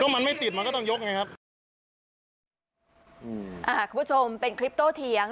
มันไม่ติดมันก็ต้องยกไงครับอืมอ่าคุณผู้ชมเป็นคลิปโตเถียง